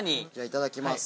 いただきます。